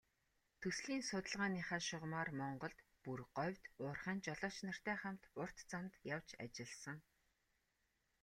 Төслийн судалгааныхаа шугамаар Монголд, бүр говьд уурхайн жолооч нартай хамт урт замд явж ажилласан.